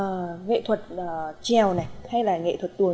nghệ thuật trèo này hay là nghệ thuật tuồn